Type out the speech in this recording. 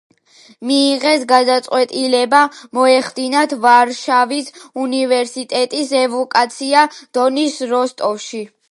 მიიღეს გადაწყვეტილება მოეხდინათ ვარშავის უნივერსიტეტის ევაკუაცია დონის როსტოვში.